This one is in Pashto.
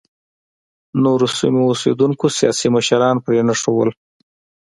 نورو سیمو اوسېدونکو سیاسي مشران پرېنښودل.